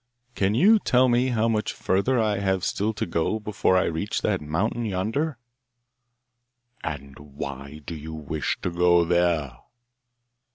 'Can you tell me how much further I have still to go before I reach that mountain yonder?' 'And why do you wish to go there?